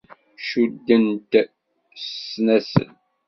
Cudden-t s ssnasel.